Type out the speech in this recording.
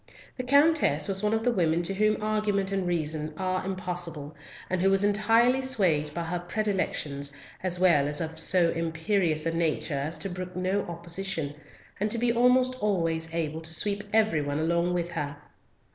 The Countess was one of the women to whom argument and reason are impossible, and who was entirely swayed by her predilections, as well as of so imperious a nature as to brook no opposition, and to be almost always able to sweep every one along with her.